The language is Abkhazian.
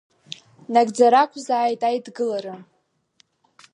Нагӡара ақәзааит Аидгылара!